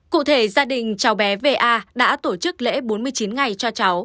cụ thể gia đình cháu bé v a đã tổ chức lễ bốn mươi chín ngày cho cháu